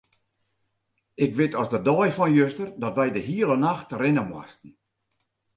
Ik wit as de dei fan juster dat wy de hiele nacht rinne moasten.